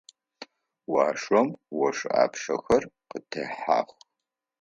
Уашъом ошъуапщэхэр къытехьэх.